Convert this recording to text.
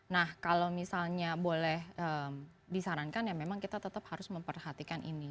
nah kalau misalnya boleh disarankan ya memang kita tetap harus memperhatikan ini